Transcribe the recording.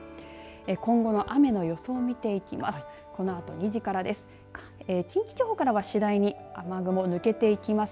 今後の雨の予想を見ていきます。